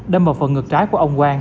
đâm vào phần ngược trái của ông quang